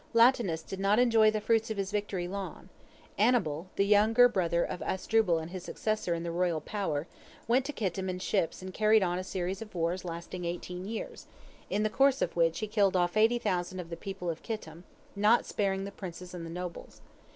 Latinus did not enjoy the fruits of his victory long. Anibal, the younger brother of Asdrubal and his successor in the royal power, went to Kittim in ships and carried on a series of wars lasting eighteen years, in the course of which he killed off eighty thousand of the people of Kittim, not sparing the princes and the nobles.